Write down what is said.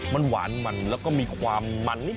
มันหวานมันแล้วก็มีความมันนิด